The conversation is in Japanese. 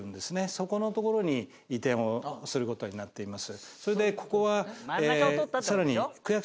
そこの所に移転をする事になっています。